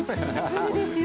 そうですよ